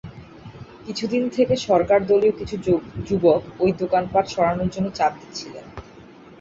কিছুদিন থেকে সরকারদলীয় কিছু যুবক ওই দোকানপাট সরানোর জন্য চাপ দিচ্ছিলেন।